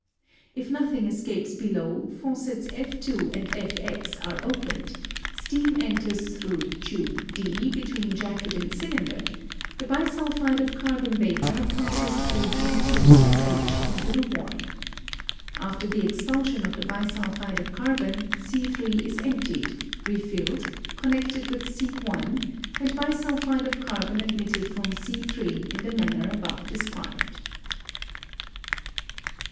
If nothing escapes below, faucets _f_^2 and _f_^x are opened, steam enters through tube D between jacket and cylinder; the bisulphide of carbon vapor passes through _g_^2 and h into the worm. After the expulsion of the bisulphide of carbon, C^3 is emptied, refilled, connected with C^1, and bisulphide of carbon admitted from C^3 in the manner above described.